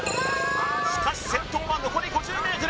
しかし先頭は残り５０ｍ